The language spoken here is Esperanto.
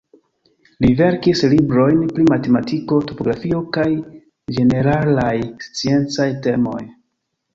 Li verkis librojn pri matematiko, topografio kaj ĝeneralaj sciencaj temoj.